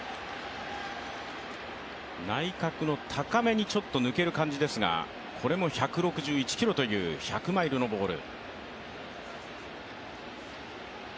内角の高めにちょっと抜ける感じですがこれも１６１キロという１００マイルのボール。